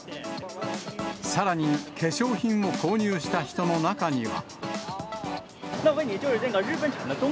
さらに、化粧品を購入した人の中には。